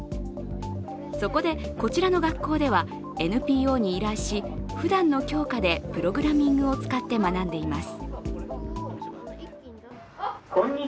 そこでこちらの学校ではＮＰＯに依頼し、ふだんの教科でプログラミングを使って学んでいます。